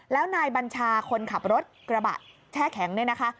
แล้วนายบัญชาคนขับรถกระบะแช่แข็งเนี่ยนะคะ